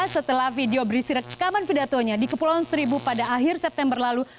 setelah video berisi rekaman pidatonya di kepulauan seribu pada akhir september lalu